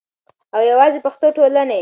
او یواځی پښتو ټولنې